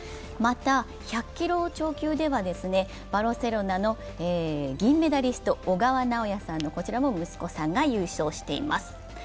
また、１００キロ超級ではバルセロナの銀メダリスト、小川直也さんのこちらも息子さんが優勝しています。